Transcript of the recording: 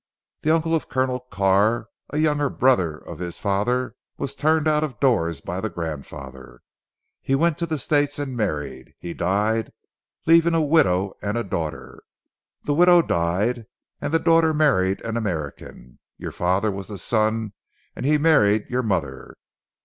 The uncle of Colonel Carr, a younger brother of his father was turned out of doors by the grandfather. He went to the States and married. He died leaving a widow and daughter. The widow died and the daughter married an American. Your father was the son, and he married your mother.